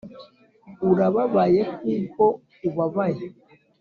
urababaye kuko ubabaye.